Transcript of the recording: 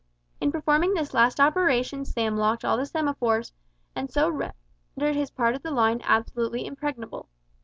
In performing this last operation Sam locked all the semaphores, and so rendered his part of the line absolutely impregnable.